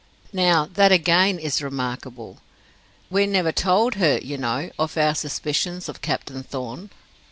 Now, that again is remarkable. We never told her, you know, of our suspicions of Captain Thorn."